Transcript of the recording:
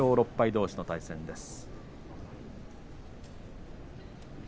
どうしの対戦です。